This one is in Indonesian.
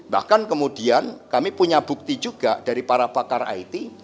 bahkan kemudian kami punya bukti juga dari para pakar it